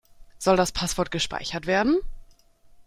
Soll das Passwort gespeichert werden?